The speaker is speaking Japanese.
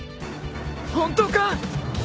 本当か！？